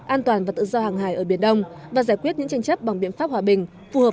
an toàn và tự do hàng hải ở biển đông và giải quyết những tranh chấp bằng biện pháp hòa bình phù hợp